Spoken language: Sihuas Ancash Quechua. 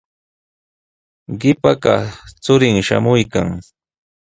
Qipa kaq churin shamuykan.